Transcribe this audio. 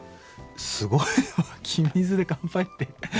すごいな湧き水で乾杯って。